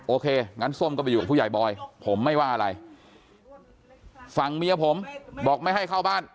โอเคงั้นส้มก็ไปอยู่กับผู้ใหญ่บอยผมไม่ว่าอะไรฝั่งเมียผมบอกไม่ให้เข้าบ้าน